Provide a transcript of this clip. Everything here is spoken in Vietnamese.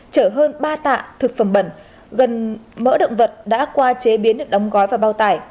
chở hơn ba tạ thực phẩm bẩn gần mỡ động vật đã qua chế biến được đóng gói và bao tải